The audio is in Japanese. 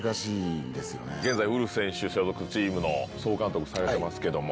現在ウルフ選手所属チームの総監督されてますけども。